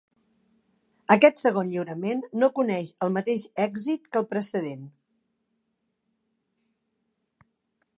Aquest segon lliurament no coneix el mateix èxit que el precedent.